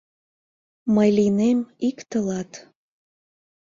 Мый лийнем ик тылат.